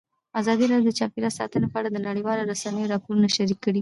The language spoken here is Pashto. ازادي راډیو د چاپیریال ساتنه په اړه د نړیوالو رسنیو راپورونه شریک کړي.